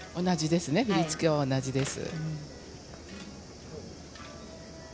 振り付けは同じです。